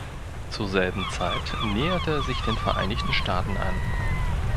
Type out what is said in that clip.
Zur selben Zeit näherte er sich den Vereinigten Staaten an.